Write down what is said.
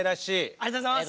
ありがとうございます。